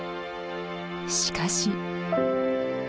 しかし。